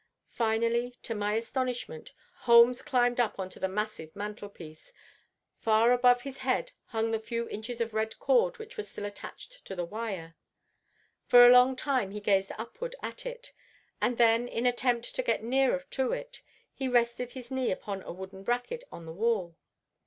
Then, to my astonishment, Holmes climbed up on to the massive mantelpiece. Far above his head hung the few inches of red cord which were still attached to the wire. For a long time he gazed upward at it, and then in an attempt to get nearer to it he rested his knee upon a wooden bracket on the wall.